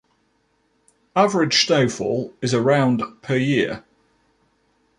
Average snowfall is around per year.